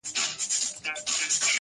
نوك د زنده گۍ مو لكه ستوري چي سركښه سي.